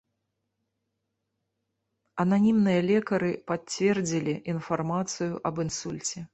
Ананімныя лекары пацвердзілі інфармацыю аб інсульце.